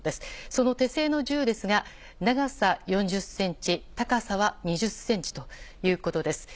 その手製の銃ですが、長さ４０センチ、高さは２０センチということです。